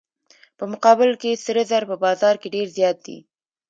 په مقابل کې سره زر په بازار کې ډیر زیات دي.